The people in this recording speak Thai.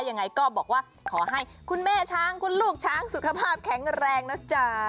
ยังไงก็บอกว่าขอให้คุณแม่ช้างคุณลูกช้างสุขภาพแข็งแรงนะจ๊ะ